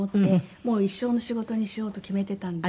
もう一生の仕事にしようと決めていたんです。